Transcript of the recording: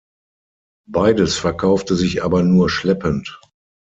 Beides verkaufte sich aber nur schleppend.